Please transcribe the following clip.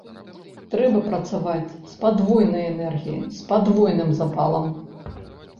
Трэба працаваць з падвойнаю энергіяй, з падвойным запалам.